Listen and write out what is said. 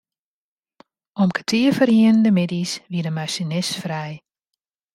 Om kertier foar ienen de middeis wie de masinist frij.